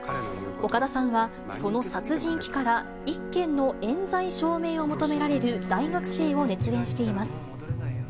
岡田さんは、その殺人鬼から１件のえん罪証明を求められる大学生を熱演しています。